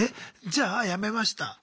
じゃあやめました